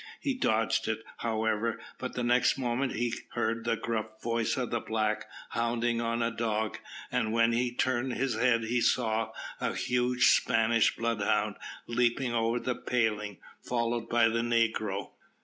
He dodged it, however; but the next moment he heard the gruff voice of the black hounding on a dog, and when he turned his head he saw a huge Spanish bloodhound leaping over the pailing, followed by the negro.